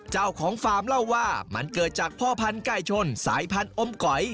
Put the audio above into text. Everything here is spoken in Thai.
เจ้าของฟาร์มเล่าว่ามันเกิดจากพ่อพันธุ์ไก่ชนสายพันธุ์อมก๋อย